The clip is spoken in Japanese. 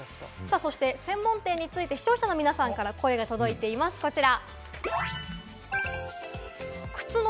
専門店について視聴者の皆さんから声が届いています、こちら。